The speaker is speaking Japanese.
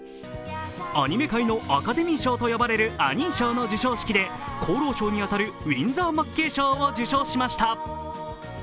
アニメ界のアカデミー賞と呼ばれるアニー賞の授賞式で功労賞に当たるウィンザー・マッケイ賞を受賞しました。